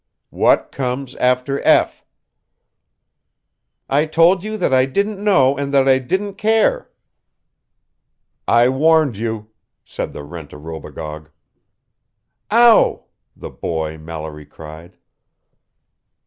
What comes after 'F'?" "I told you that I didn't know and that I didn't care!" "I warned you," said the rent a robogogue. "Ow!" the boy Mallory cried.